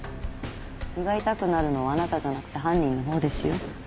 胃が痛くなるのはあなたじゃなくて犯人の方ですよ。